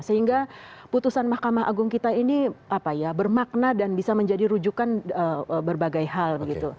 sehingga putusan mahkamah agung kita ini bermakna dan bisa menjadi rujukan berbagai hal